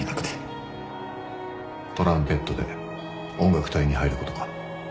トランペットで音楽隊に入ることか？